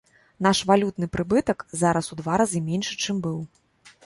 Наш валютны прыбытак зараз у два разы меншы, чым быў.